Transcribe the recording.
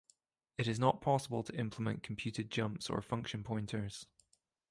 It is not possible to implement computed jumps or function pointers.